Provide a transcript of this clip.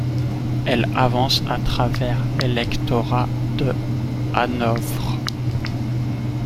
Elle avance à travers l’électorat de Hanovre.